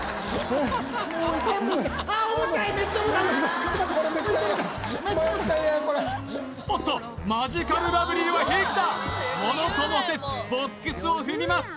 これおっとマヂカルラブリーは平気だものともせずボックスを踏みます